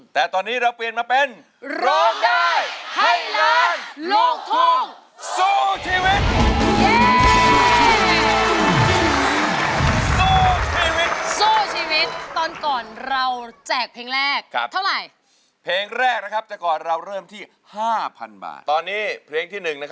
แต่ตอนนี้เราเปลี่ยนมาเป็น